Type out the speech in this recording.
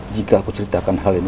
jika aku ceritakan hal ini